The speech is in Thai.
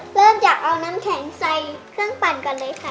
เริ่มจากเอาน้ำแข็งใส่เครื่องปั่นก่อนเลยค่ะ